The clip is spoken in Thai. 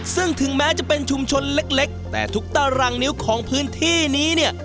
ซึ่งถึงแม้จะเป็นชุมชนเล็กแต่ทุกตารางนิ้วของพื้นที่นี้เนี่ย